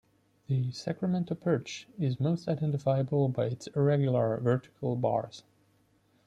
The Sacramento perch is most identifiable by its irregular vertical bars.